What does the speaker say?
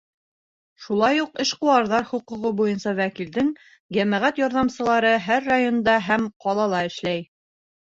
Шулай уҡ эшҡыуарҙар хоҡуғы буйынса вәкилдең йәмәғәт ярҙамсылары һәр районда һәм ҡалала эшләй.